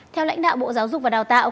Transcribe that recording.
theo lãnh đạo bộ giáo dục và đào tạo